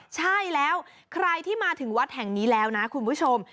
ใช่แล้วใครที่มาถึงวัดแห่งนี้แล้วนะคุณผู้ชม